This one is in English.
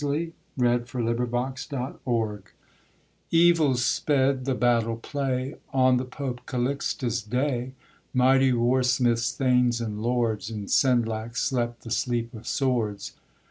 Bertrich, 1851 THE SWAN NECK Evil sped the battle play On the Pope Calixtus' day; Mighty war smiths, thanes and lords, In Senlac slept the sleep of swords.